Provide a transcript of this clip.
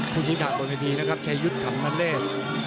ภูชิภาพตัวหน้าทีนะครับใช้ยุทธ์ขำมะเล่น